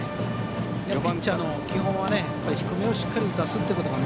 ピッチャーの基本は低めをしっかり打たすことが